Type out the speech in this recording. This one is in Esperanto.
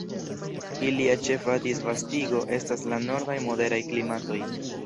Ilia ĉefa disvastigo estas la nordaj moderaj klimatoj.